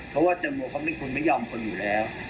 เพราะว่าแตงโมเขาเป็นคนไม่ยอมคนอยู่แล้ว